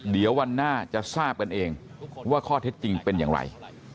เดี๋ยววันหน้าจะทราบกันเองว่าข้อเท็จจริงเป็นอย่างไร